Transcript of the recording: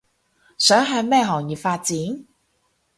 想向咩行業發展